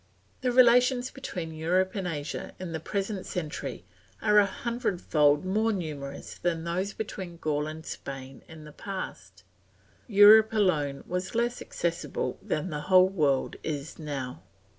The relations between Europe and Asia in the present century are a hundredfold more numerous than those between Gaul and Spain in the past; Europe alone was less accessible than the whole world is now.